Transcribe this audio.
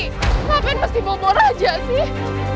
kenapa yang mesti bobor aja sih